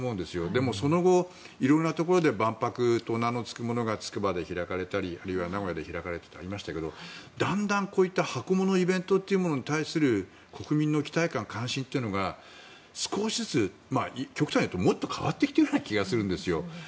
でもその後、色んなところで万博と名のつくものがつくばで開かれたりあるいは名古屋で開かれたりってありましたけどだんだんこういう箱物イベントということに対する国民の期待感、関心というのが少しずつ極端に言うともっと変わってきている気がするんですよ。